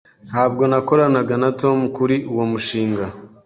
Ntabwo nakoranaga na Tom kuri uwo mushinga.